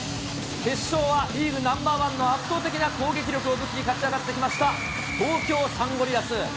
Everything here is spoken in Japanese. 決勝はリーグナンバー１の圧倒的な攻撃力を武器に勝ち上がってきました、東京サンゴリアス。